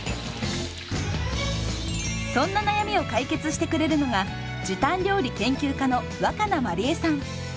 そんな悩みを解決してくれるのが時短料理研究家の若菜まりえさん。